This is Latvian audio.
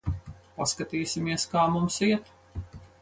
Paskatīsimies, kā mums iet.